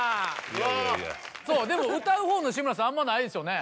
わーっでも歌うほうの志村さんあんまないですよね？